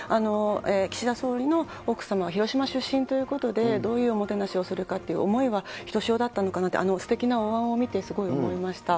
岸田総理の奥様は広島出身ということで、どういうおもてなしをするかという思いはひとしおだったのかなと、すてきなおわんを見て、すごい思いました。